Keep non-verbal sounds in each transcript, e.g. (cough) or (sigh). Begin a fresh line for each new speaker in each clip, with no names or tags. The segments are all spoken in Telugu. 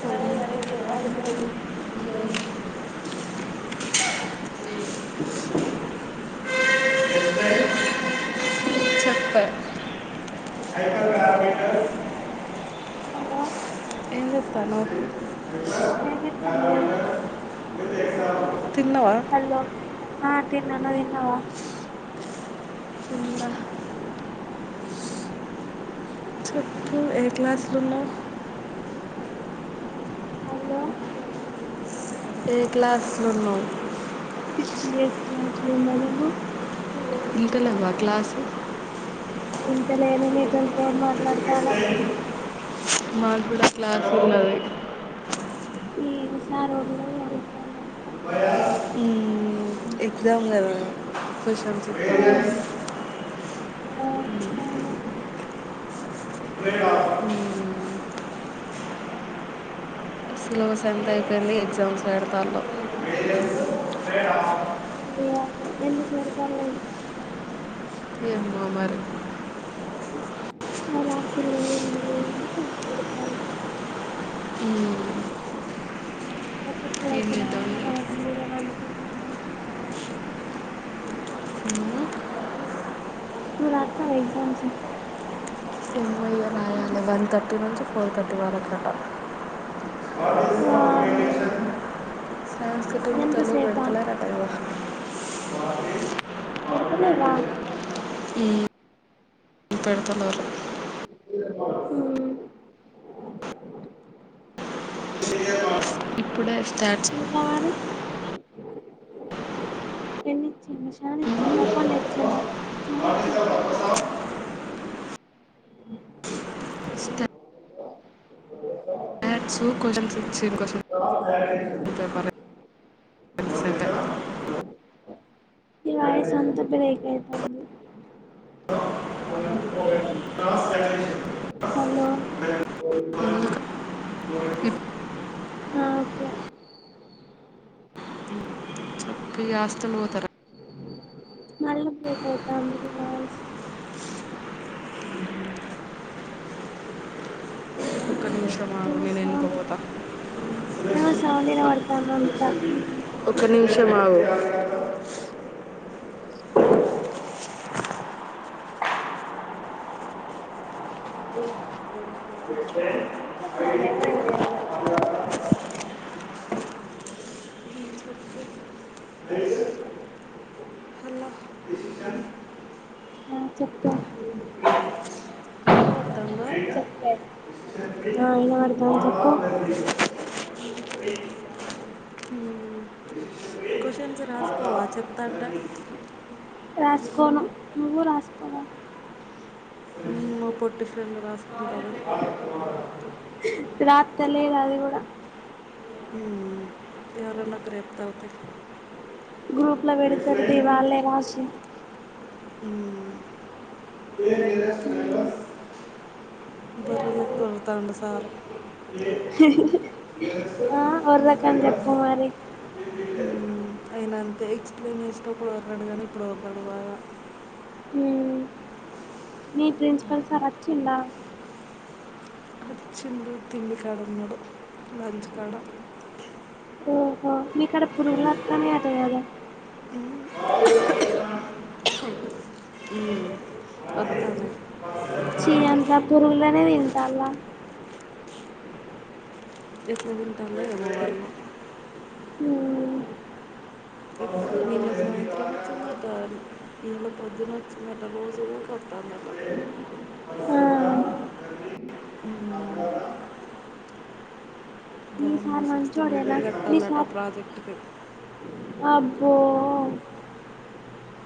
సరె మరి
హలో థాంక్యూ.
చాప్
(unintelligible) ఏం చెప్తాంది
తిన్నవా
హల్లొ ఆ తిన్న నువ్ తిన్నవా
సుగు చెప్పు ఏ క్లాసులున్నాయ్
హలో
ఏ క్లాస్లున్నవ్
సిక్స్ బి ఎస్ క్లాస్లున్నానమ్మ
ఇంక లెవ్వా క్లాస్లు?
ఇంట లేమే మీతోని ఫోన్ మా ట్లాడతన్నా.
మాకు కూడా క్లాస్ ఉన్నది
ఏం సారో ఒర్రుడే ఓర్రుతండు (inaudible) వైరాష్!
ఎగ్జాం గదా. విషయం చెప్పాలా?
అవును
హ్మ్ సిలబస్ అంత అయిపోయింది. ఎగ్జామ్స్ పెడతాల్లు.
ఏమో ఎందుకు పెడతారు ఎగ్జామ్స్ అంట
ఏందో మరి.
అవి రాసుడు లేదు ఏం లేదు అని పెడతాళ్ళు
ఊహ్. ఇక.
ఇగా వండుకుంటా మంచిగా.
ఉమ్.
నువ్ రాత్తవ ఎగ్జామ్స్?
లెవన్ థర్టీ నుంచి ఫోర్ థర్టీ వరకట. (unintelligible) తల్లీని
ఎంతసేపా
బెడుతలెరట గదా. (unintelligible)
(unintelligible) రా.
ఊ, పెడతలేరు.
మ్మ్.
ఇప్పుడే స్టార్ట్.
ఇంకా మరి (inaudible) దాని చల్లార్పనె. (unintelligible) చాన్స్ ఇప్పి ప్పిచ్చిన. (unintelligible)
మ్యాథ్సు క్వొశ్చన్స్ ఇచ్చిర్రు క్వశ్చన్ పేపరె. ఎక్సట.
నీ వాయిస్ అంత బ్రేక్ అవుతుంది
టాస్
హలో
ఇఫ్
ఒకే.
ఇగ హాస్టల్ వోతరా?
మళ్ళీ (unintelligible) వాయిస్
ఒక నిమిషం షం ఆగు
ఏమో
నేను
సౌండ్
ఏనుకకుపోతా
ఏమో సౌండ్ వినబడుతుంది అంతా మ్మ్.
ఒక నిమిషం ఆగు.
(inaudible) సౌండ్ (inaudible)
అలా
ఆ చెప్పే
అర్థంగా
ఆ ఇన వడ్తంది చెప్పు.
ఎంతంట.
రాసుకోను నువ్వు రాసుకోవా.
మా పొట్టి ఫ్రెండ్ రాసుకుంట (inaudible)
రాత్త లేదు అది కూడా
హమ్ ఎవరన్న రెప్తర తీ
గ్రూప్ లో పెడతారు తీ వాళ్ళే రాసి
హమ్
హమ్
ఒరతండు సారు
ఆ ఒర్రకని చెప్పు మరి
అయిన ఆన్ నేను వేస్తే ఓర్రడు ఇపుడు ఓర్ రువుపయ
హమ్ మీ ప్రిన్సిపల్ సార్ ఆచిండ
వచ్చిండు తిండికాడా ఉన్నాడు లాంచ్ కాడా
ఆహ్ మీ కాడా పునుగులు ఒత్తనయ్య అంతాగా
మ్మ్, వస్తాను
చి అంత పురుగులనే తిన్ అంతలా
ఇట్లఉంది
హమ్
నిన్న సాయంత్రం వోచింద గాలి పొద్దునచ్చున్నట రోజు ఊకొస్తాందట
ఆ మీ
వామ్మో
సార్
సిక్స్
మంచోడేనా
ఉనాది
మీ
కట్టాలట
సార్
ప్రాజెక్టుకి
అబ్బో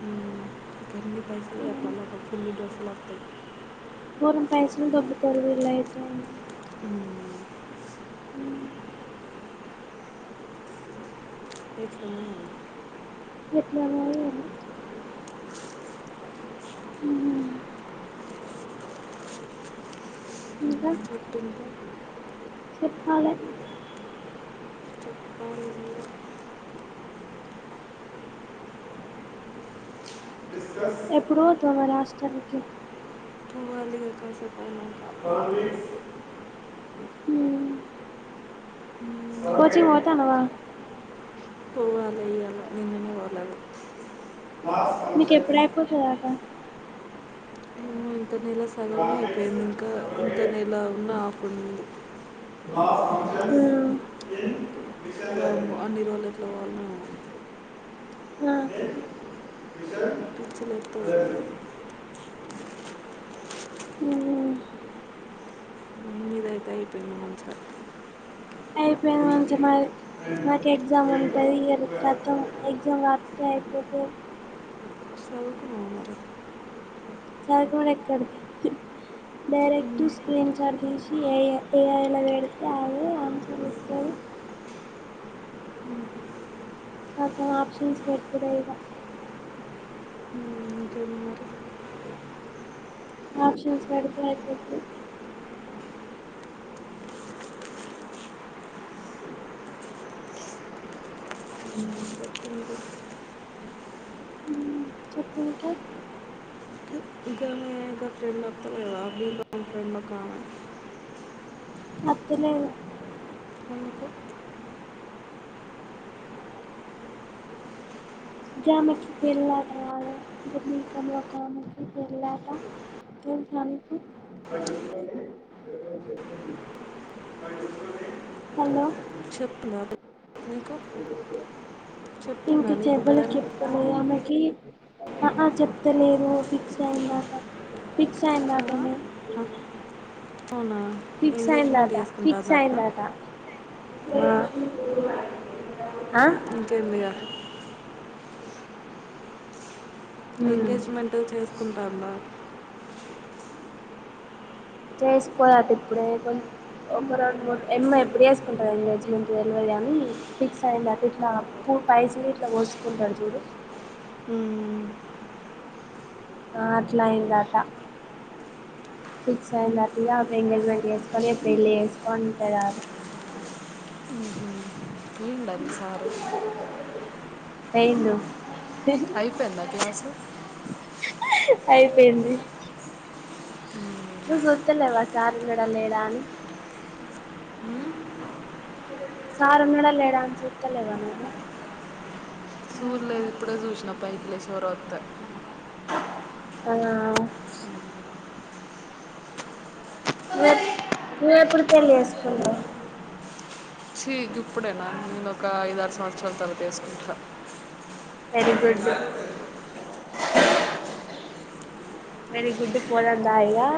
హమ్ గంలీ పైసలు అలకు ఫుల్లు డ్రస్సులు వొత్తాయి
గోరం పైసలు దొబ్బుతారు వీలు అయితే
హమ్ ఎం చేయమ్మారి
ఎట్లానో ఏమో మ్ ఇంకా
చెటింట
చెప్పాలి
చెప్పాలి
ఎప్పుడు పోతవా రాష్ట్రానికి
పోవాలి ఇక కాసేపు అయినాక మ్మ్.
మ్ కోచింగ్ వ కానవా
పోవాలి ఇవాళ నిన్ననే పోలేదు
మీీక ఎప్పుడ అయిపోతుందట
ఏమో ఇంత నేల సగమ అయిపోయింది ఇంకా ఇంత నేలా ఉన్న ఆఫ్ ఉంటుంది
మ్మ్ ఆ
అన్ని రోళ్ళుట్ల వాళ్ళు పిచ్చిలతో
మ్మ్
ఇద అయితే అయిపోయింది సార్
అయిపోయింది మంచి మరి నాకు ఎగ్జామ్ ఉంటుంది ఇ కతం ఎగ్జామ్ రాత్రతే అయిపోతురు
చదువుకున్నావు మరి
చదికువడం ఎక్కడి డైరెక్ట్
ఉమ్,
స్క్రీన్ చాట్ తీసి ఏ ఏఐలా పెడితే అదే ఆన్సర్ వస్తారు అత ఆప్షన్స్ పెట్ కూడాడ ఇక
ఉమ్, ఇంకేం మరి
ఆప్షన్స్ పడితేయిపోతు అ అ
ఉమ్, చెప్పింది.
చెప్ప ఉంటా
కామ ఫ్రెండ్ మొత్త అ ఫ్రెండ్ మ కా
అత
ఎందుక
జమెకి వెలా వెలా హలో
చెప్పులా
అ
చెప్పిందా
ఇంకా
నీకు
చెబల చెప్తాల ఆమెకి ఆహ చెప్తలేదు ఫిక్స్ అయి్యనమాట ఫిక్స్ అయి్యనమాటనే
పెళ్ళామే అవునా
ఫిక్స్
ఎంగేజ్మెంట్
అయిందట ఫిక్స్
చేసుకుంటుందటనా
అయిందట ఆ ఆ
ఇంకెందుగా
ఉమ్
ఎంగేజ్మెంట్ చేసుకుంటామా
చేసుకోలే అట ఇప్పుడే కొ ఒక రెండు మూడు ఎం ఎప్పుడు చేసుకుంటారు ఎంగేజ్మెంట్ తెలివీ అని ఫిక్స్ అయింది అట ఇట్లా ప పైస్ని ఇట్లా పోసుుకుంటారు చూడు
ఉ
అట్లా అయిందట ఫిక్స్ అయిందట్టు ఇగాడు ఎంగేజ్మెంట్ వేసుకొనిడు పెళ్ళి చేసుకొని ఉంటుదారు
వీళ్ళ మీ సారు
వెయింద
అయిపోయిందా క్లాసు
అయిపోయింది నువ్వు సూద్దలేవా సార్ ఇ కూడాడ లేడా అని సారు మడ లేడా అనికి చెత లేవాన
చూర్లేదు ఇప్పుడే చూసినా పై పలే చోర వస్తాయి
ఆ నువ్వె నువ్వెప్పుడు పెళ్లి చేసుకున్నావు
చీజ్ ఇప్పుడేనా నేను ఒక ఐదరు సంవత్సరలు తరతసుకుంటా
వెరీ గుడ్ వెరీ గుడ్ పోదం దాయిగా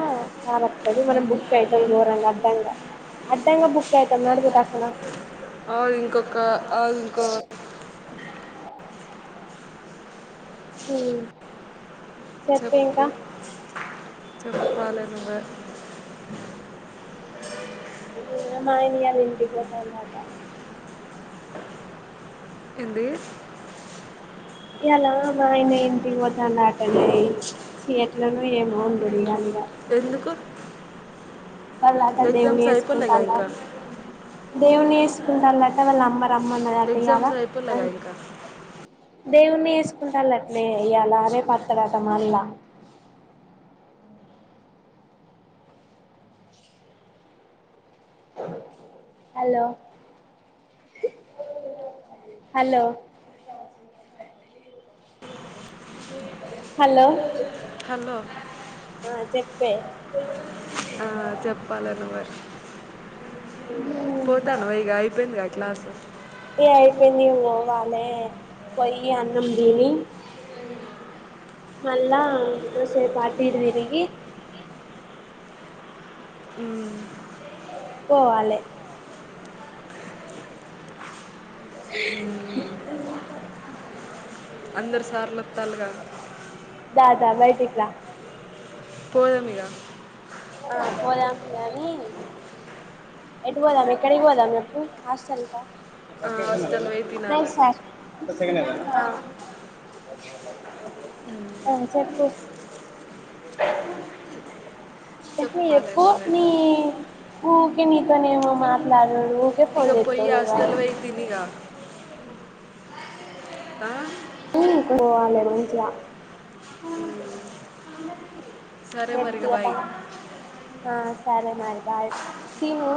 చాలదు మనం బుక్ అవుతాం దూరంగా అడ్డంగా అడ్డంగా బుక్ అవుతాం నడుపుక్కన
ఆ ఇంకొక ఆ ఇంకో
హ్ చెప్పు ఇంకా
చెప్పాలే నువ్వే
ఎమైంది ఈయాల ఇంటికి పోతాన్నవు. ఆట
ఎంది
ఇయల మా ఆయన ఇంటికి పోతండు ఆటనే ఎట్లానో ఏమో ఆడిగాలి ఇగా
ఎందుకు
వాళ్ళంతా దేవున్ని
ఎగ్జామ్స్ అయిపోలేగా
చేసుకుంటార
ఇంకా
దేవున్ని చేసుకుంటారట వాళ్ళ ఆమ్మ రమ్మన్నాదట ఇయ్యలా
ఎగ్జామ్స్ అయిపోలేగా ఇంకా
దేవున్ని చేసుకుంటాలటనే ఇయ్యలా రేపు అత్తాడట మల్ల హలో హలో హలో
హలో
ఆ చెప్పే
ఆ చెప్పాలే నువ్వే పోతాన్నావ ఇగ అయిపోయిందిగా క్లాసెస్
వాళ్లే పోయ్యి అన్నం దిని మళ్ళా కోసేపు అటు ఇటు తిరిగి
హ్
పోవాలే
అందరు సార్లోత్తల్లుగా
లా
పోదాం ఇగ
ఆ పోదాము గాని ఎటు పోదాం. ఎక్కడికి పోదాం చెప్పు హాస్టల్ కా
ఆ, హాస్టల్ పోయి తినాలి మ్మ్.
(unintelligible) ఆ అ చెప్పు టక్కన
చెప్పాలి
చేప్పు
నువ్వే
నీ ఊకె మీ ఇగానేమో మాట్లాడు ఊకె ఫోన్
ఇక పోయి
చెత్తవ్ నావా
హాస్టల్ పోయి తినిగా ఆ
పోవాలి మంచిగా
మ్మ్. సరే మరి ఇక బాయ్
ఆ సరే మరి బయ్ తీను